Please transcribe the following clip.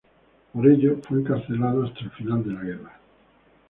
Por ello, fue encarcelado hasta el final de la guerra.